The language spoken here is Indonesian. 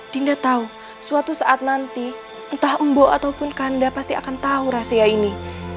dinda tahu suatu saat nanti entah mbok ataupun kanda pasti akan tahu rahasia ini